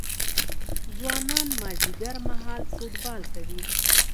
ځوانان مازدیګر مهال فوټبال کوي.